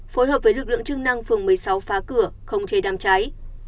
phối hợp với lực lượng chức năng phường một mươi sáu phá cửa không chê đám cháy